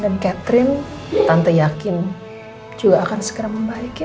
dan catherine tante yakin juga akan segera membalik ya